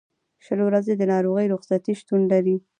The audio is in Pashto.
شل ورځې د ناروغۍ رخصتۍ شتون لري.